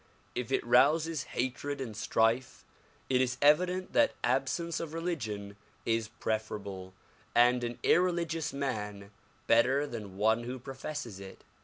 If it rouses hatred and strife it is evident that absence of religion is preferable and an irreligious man better than one who professes it.